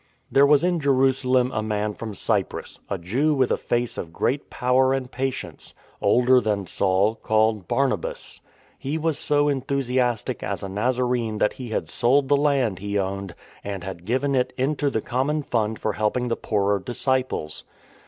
There was in Jerusalem a man from Cyprus, a Jew with a face of great power and patience, older than Saul, called Barnabas. He was so enthusiastic as a Nazarene that he had sold the land he owned, and had given it into the common fund for helping the poorer disciples.